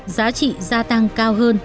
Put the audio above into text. giá trị gia tăng cao hơn